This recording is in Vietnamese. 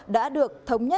đã được thống nhận